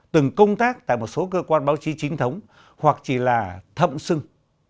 từng công tác tại một số cơ quan báo chí chính thống hoặc chỉ là thậm xưng